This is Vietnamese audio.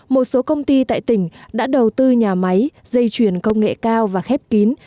một số công ty tại tỉnh đã đầu tư nhà máy dây chuyển công nghệ cao và khép kín